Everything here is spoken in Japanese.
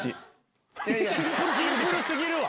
シンプルすぎるわ。